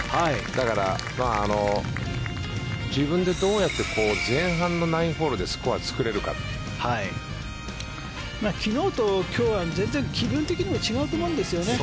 だから、自分でどうやって前半の９ホールで昨日と今日は全然気分的にも違うと思うんですよね。